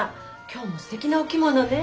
今日もすてきなお着物ね。